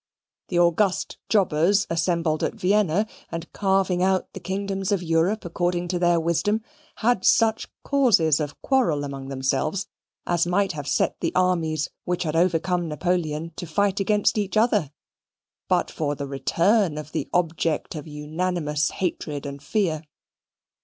The august jobbers assembled at Vienna, and carving out the kingdoms of Europe according to their wisdom, had such causes of quarrel among themselves as might have set the armies which had overcome Napoleon to fight against each other, but for the return of the object of unanimous hatred and fear.